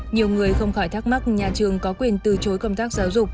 nhiều người không khỏi thắc mắc nhà trường có quyền từ chối công tác giáo dục